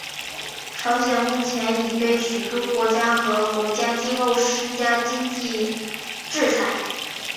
朝鲜目前已被许多国家和国际机构施加经济制裁。